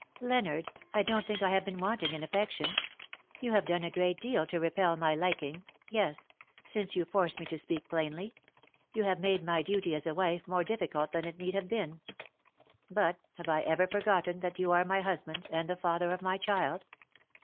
'' Leonard, I don^t think I have been wanting in affection. You have done a great deal to repel my liking — yes — since you force me to speak plainly — you have made my duty as a wife more difficult than it need have been. But, have I ever forgotten that you are my husband, and the father of my child